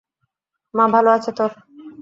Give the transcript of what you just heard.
মা ভালো আছে তোর?